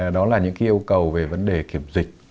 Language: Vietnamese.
đó là những yêu cầu về vấn đề kiểm dịch